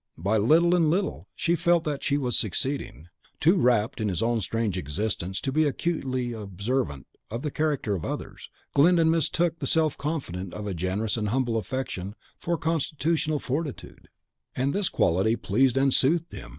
By little and little she felt that she was succeeding. Too wrapped in his own strange existence to be acutely observant of the character of others, Glyndon mistook the self content of a generous and humble affection for constitutional fortitude; and this quality pleased and soothed him.